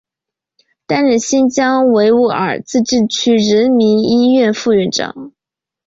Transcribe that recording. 担任新疆维吾尔自治区人民医院副院长。